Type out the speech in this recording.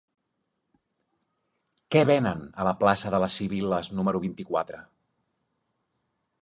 Què venen a la plaça de les Sibil·les número vint-i-quatre?